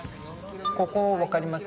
ここわかります？